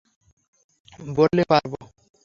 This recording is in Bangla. বললে, পারব।